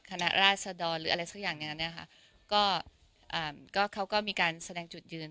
คณะราชดรหรืออะไรสักอย่างอย่างนั้นนะคะก็อ่าก็เขาก็มีการแสดงจุดยืน